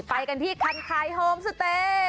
ไปกันที่คันคายโฮมสเตย์